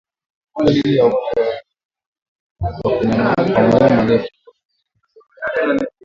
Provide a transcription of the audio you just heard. Dalili za ugonjwa kwa mnyama aliyekufa ni kupatikana kwa minyoo kwenye ini